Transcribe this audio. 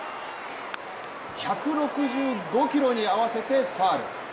１６５キロに合わせてファウル。